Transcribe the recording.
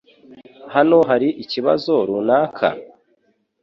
Hano hari ikibazo runaka?